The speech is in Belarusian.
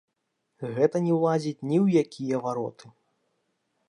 Гэта не ўлазіць ні ў якія вароты.